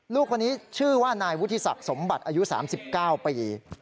ลูกคนนี้ชื่อว่านายวุฒิศักดิ์สมบัติอายุ๓๙ปี